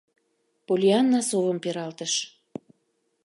Поллианна совым пералтыш.